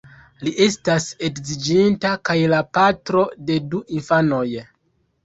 Li estas edziĝinta, kaj la patro de du infanoj.